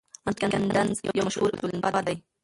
انتوني ګیدنز یو مشهور ټولنپوه دی.